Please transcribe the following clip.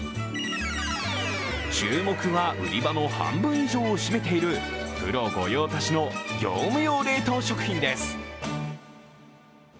注目は売り場の半分以上を占めている、プロ御用達の業務用冷凍食品です。